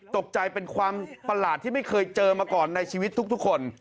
ตกใจเป็นความประหลาดที่ไม่เคยเจอมาก่อนในชีวิตทุกคน